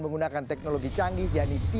menggunakan teknologi canggih yaitu